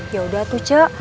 ya udah cek